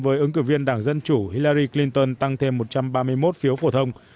với ứng cử viên đảng dân chủ hillary clinton tăng thêm một trăm ba mươi một phiếu phổ thông